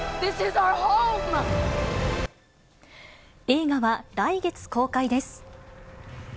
映画は来月公開です。